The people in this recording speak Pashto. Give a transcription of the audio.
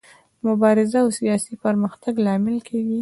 مبارزه او سیالي د پرمختګ لامل کیږي.